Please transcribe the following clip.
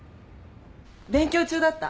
勉強中だった？